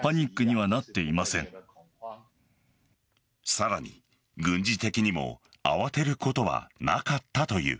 さらに軍事的にも慌てることはなかったという。